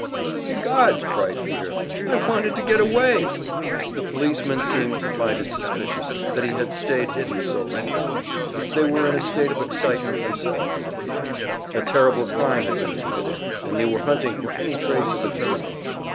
"My God!" cried Peter. "I wanted to get away!" The policemen seemed to find it suspicious that he had stayed hidden so long. They were in a state of excitement themselves, it appeared; a terrible crime had been committed, and they were hunting for any trace of the criminal.